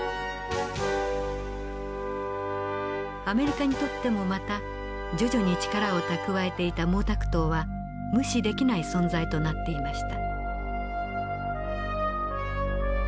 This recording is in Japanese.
アメリカにとってもまた徐々に力を蓄えていた毛沢東は無視できない存在となっていました。